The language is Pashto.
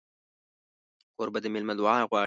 کوربه د مېلمه دعا غواړي.